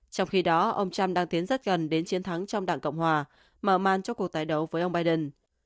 trong khi đó ông trump đang tiến rất gần đến chiến thắng trong đảng cộng hòa mở màn cho cuộc tái đấu với ông biden